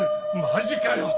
マジかよ！